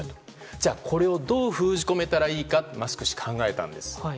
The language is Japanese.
じゃあ、これをどう封じ込めたらいいかとマスク氏は考えたんです。